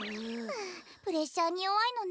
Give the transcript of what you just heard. はあプレッシャーによわいのね。